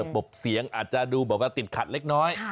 ปบเสียงอาจจะดูแบบว่าติดขัดเล็กน้อย